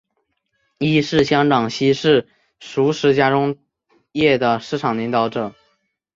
亦是香港西式熟食加工业的市场领导者。